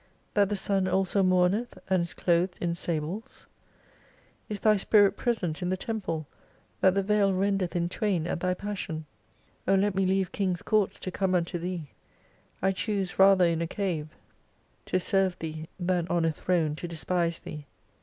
That the Sun also moumeth and is clothed in sables ? Is Thy spirit present m the temple, that the veil rendeth in twain at Thy passion ? O let me leave Kings' Courts to come unto Thee, I choose rather in a Cave to serve 66 Thee, than on a throne to despise Thee.